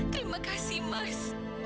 terima kasih mas